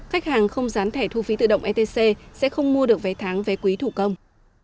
khách hàng không gián thẻ thu phí tự động etc sẽ không mua được vé tháng vé quý thủ công